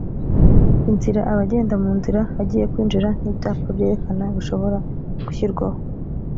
inzira abagenda mu nzira agiye kwinjiramo n ibyapa byerekana bishobora gushyirwaho